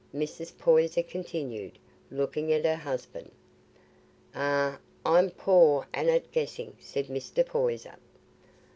Mrs. Poyser continued, looking at her husband. "Eh! I'm a poor un at guessing," said Mr. Poyser.